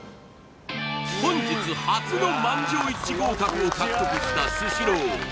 本日初の満場一致合格を獲得したスシロー